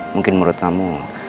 mungkin menurut kamu